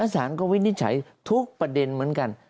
สารก็วินิจฉัยทุกประเด็นเหมือนกัน